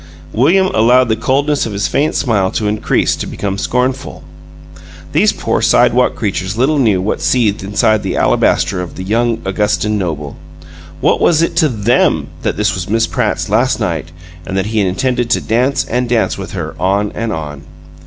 William allowed the coldness of his faint smile to increase to become scornful. These poor sidewalk creatures little knew what seethed inside the alabaster of the young Augustan noble! What was it to THEM that this was Miss Pratt's last night and that he intended to dance and dance with her, on and on?